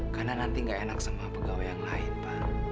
karena nanti gak enak sama pegawai yang lain pak